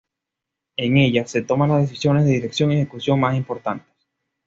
En ella, se toman las decisiones de dirección y ejecución más importantes.